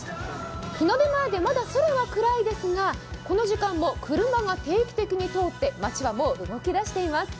日の出前で、まだ空は暗いですが、この時間も車が定期的に通って街が動き出しています。